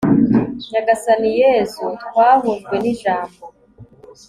nyagasani yezu, twahujwe n'ijambo